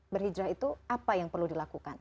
berhijrah itu apa yang perlu dilakukan